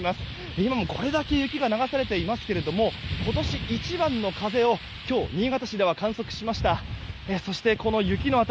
今もこれだけ雪が流されていますけれども今年一番の風を今日、新潟市では観測しました。